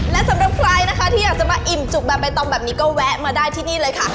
และสำหรับใครนะคะที่อยากจะมาอิ่มจุกแบบใบตองแบบนี้ก็แวะมาได้ที่นี่เลยค่ะ